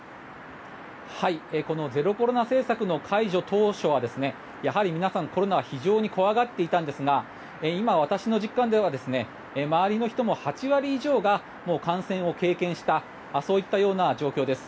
ゼロコロナ政策の解除当初はやはり皆さん、コロナは非常に怖がっていたんですが今、私の実感では周りの人も８割以上がもう感染を経験したそういった状況です。